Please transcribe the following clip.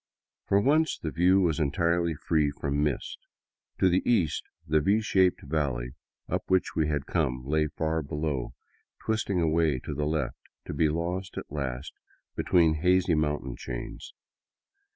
For once the view was en tirely free from mist. To the east, the V shaped valley up which we had come lay far below, twisting away to the left, to be lost at last be tween hazy mountain chains.